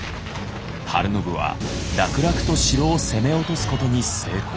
晴信は楽々と城を攻め落とすことに成功する。